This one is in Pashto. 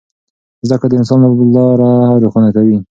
زده کړه د انسان لاره روښانه کوي.